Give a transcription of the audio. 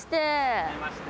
はじめまして。